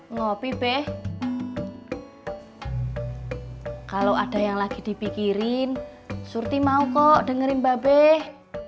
ngopi beh kalau ada yang lagi dipikirin surti mau kok dengerin mbak beh